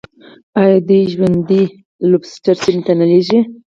آیا دوی ژوندي لوبسټر چین ته نه لیږي؟